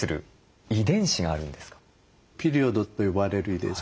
ピリオドと呼ばれる遺伝子